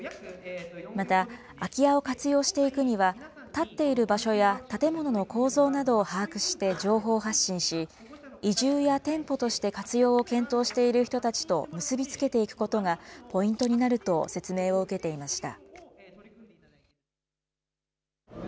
また、空き家を活用していくには、建っている場所や建物の構造などを把握して情報発信し、移住や店舗として活用を検討している人たちと結び付けていくことがポイントになると、説明を受けていました。